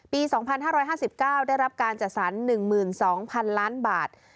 ปี๒๕๕๙ได้รับการจัดสรร๑๒๐๐๐ล้านบาท